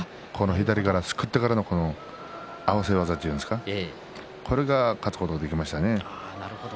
左から、すくってからの合わせ技というんでしょうかそれで勝つことができましたね。